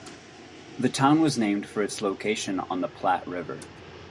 The town was named for its location on the Platte River.